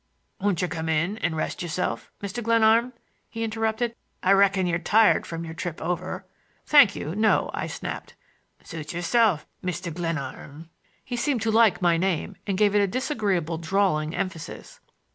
"Won't you come in and rest yourself, Mr. Glenarm?" he interrupted. "I reckon you're tired from your trip over—" "Thank you, no," I snapped. "Suit yourself, Mr. Glenarm." He seemed to like my name and gave it a disagreeable drawling emphasis.